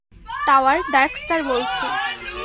Tower, Darkstar বলছি।